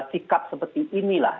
sikap seperti inilah